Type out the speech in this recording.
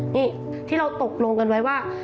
นี่ที่เราตกลงกันไว้ว่า